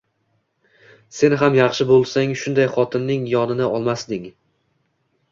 Sen ham yaxshi bo'lsang, shunday xotinning yonini olmasding.